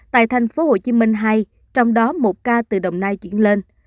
tại thành phố hồ chí minh hai trong đó một ca từ đồng nai chuyển lên